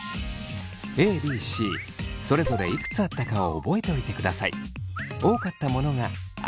ＡＢＣそれぞれいくつあったかを覚えておいてください。